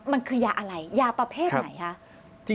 มันคือยาอะไรยาประเภทไหนคะ